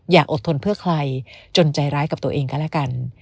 อย่าอดทนเพื่อใครจนใจร้ายกับตัวเองก็แล้วกัน